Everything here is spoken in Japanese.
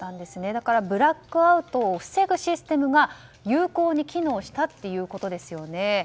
だからブラックアウトを防ぐシステムが有効に機能したということですよね。